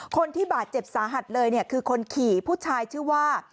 คนที่บาดเจ็บสาหัสเลยเนี่ยคือคนขี่ผู้ชายชื่อว่า